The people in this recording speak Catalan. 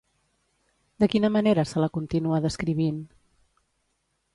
De quina manera se la continua descrivint?